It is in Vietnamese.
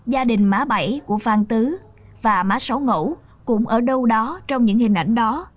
gia đình má bảy của phan tứ và má sáu ngẫu cũng ở đâu đó trong những hình ảnh đó